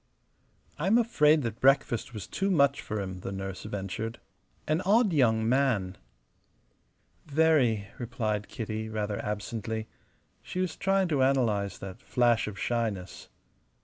"I'm afraid that breakfast was too much for him," the nurse ventured. "An odd young man." "Very," replied Kitty, rather absently. She was trying to analyze that flash of shyness.